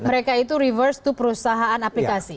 mereka itu reverse to perusahaan aplikasi